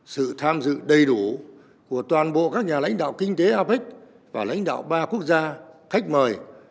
sự tham dự đầy đủ của toàn bộ các nhà lãnh đạo kinh tế apec và lãnh đạo ba quốc gia khách mời